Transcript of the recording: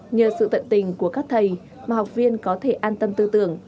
nhờ sự tận tình của các thầy mà học viên có thể an tâm tư tưởng